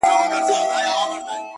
ها د خوشحال او د امان د ارمانونو کیسې-